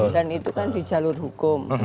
itu kan di jalur hukum